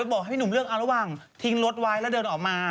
บอกให้พี่หนุ่มเลือกเอาระหว่างทิ้งรถไว้แล้วเดินออกมา